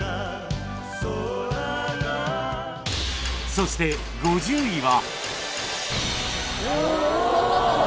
そして５０位は